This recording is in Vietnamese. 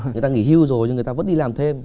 người ta nghỉ hưu rồi nhưng người ta vẫn đi làm thêm